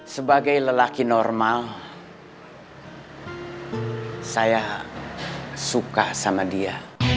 sebagai lelaki normal saya suka sama dia